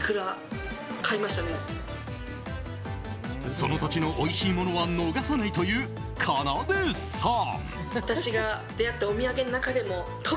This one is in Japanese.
その土地のおいしいものは逃さないという、かなでさん。